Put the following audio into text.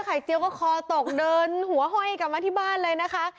เจียวก็คอตกเดินหัวห้อยกลับมาที่บ้านเลยนะคะ